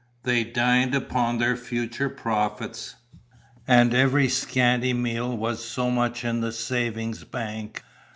They dined upon their future profits; and every scanty meal was so much in the savings bank.